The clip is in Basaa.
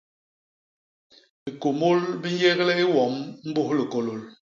Bikumul bi nyégle i wom mbus likôlôl.